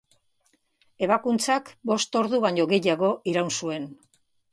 Ebakuntzak bost ordu baino gehiago iraun zuen.